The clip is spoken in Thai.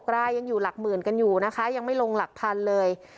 รายยังอยู่หลักหมื่นกันอยู่นะคะยังไม่ลงหลักพันเลย